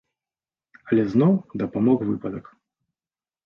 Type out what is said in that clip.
Але зноў дапамог выпадак.